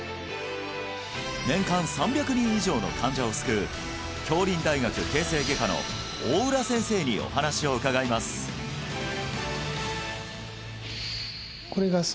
年間３００人以上の患者を救う杏林大学形成外科の大浦先生にお話を伺いますえ！